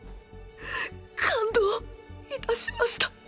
感動致しました。